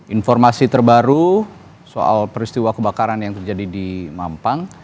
informasi terbaru soal peristiwa kebakaran yang terjadi di mampang